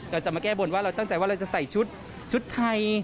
เราจะมาแก้บนว่าเราตั้งใจว่าเราจะใส่ชุดชุดไทย